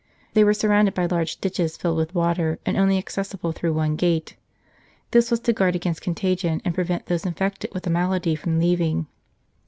They were surrounded by large ditches filled with water, and only accessible through one gate. This was to guard against contagion, and prevent those infected with the malady from leaving.